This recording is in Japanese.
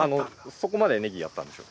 そこまでねぎあったんですよ。